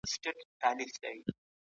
چیرته کولای سو ویزه په سمه توګه مدیریت کړو؟